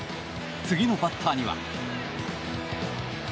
次のバッターには。